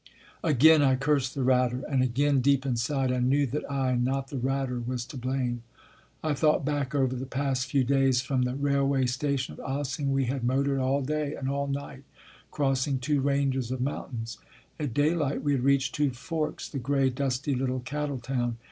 Again I cursed the Ratter, and again deep inside I knew that I and not the Ratter was to blame. I thought back over the past few days. From the railway station at Ossing we had motored all day and all night, crossing two ranges of mountains. At daylight we had reached Two Forks, the gray, dusty, little cattle town.